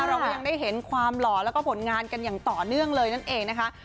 เราก็ยังได้เห็นความหล่อแล้วก็ผลงานกันอย่างต่อเนื่องเลยนั่นเองนะคะ